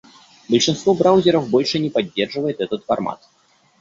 Большинство браузеров больше не поддерживает этот формат.